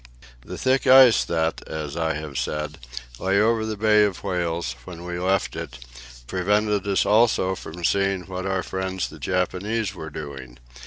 The thick fog that, as I have said, lay over the Bay of Whales when we left it, prevented us also from seeing what our friends the Japanese were doing.